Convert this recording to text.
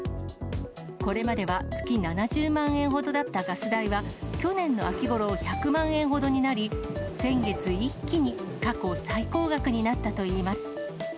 これまでは月７０万円ほどだったガス代は、去年の秋ごろ１００万円ほどになり、先月、一気に過去最高額になったといいます。